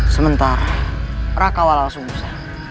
sementara raka walal sungusa